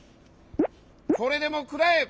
これでもくらえ！